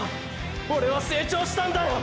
オレは成長したんだよ！！